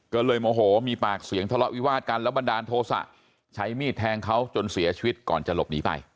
ก็เลยโมโหมีปากเสียงทะเลาะวิวาดกันแล้วบันดาลโทษะใช้มีดแทงเขาจนเสียชีวิตก่อนจะหลบหนีไป